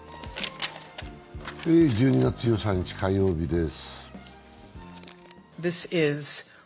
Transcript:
１２月１３日火曜日です。